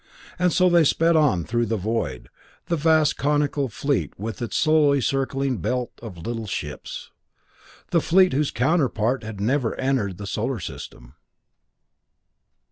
And so they sped on through the void, the vast conical fleet with its slowly circling belt of little ships. A fleet whose counterpart had never entered the Solar System.